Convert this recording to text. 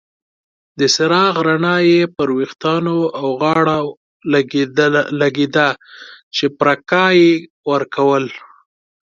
د څراغ رڼا یې پر ویښتانو او غاړه لګیده چې پرکا یې ورکول.